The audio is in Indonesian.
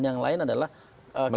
nah yang beda ini adalah satu paket